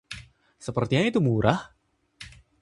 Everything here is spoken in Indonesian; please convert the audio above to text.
Sepertinya itu murah.